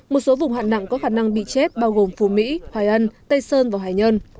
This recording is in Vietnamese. một số vùng hạn nặng có khả năng bị chết bao gồm phú mỹ hoài ân tây sơn và hải nhân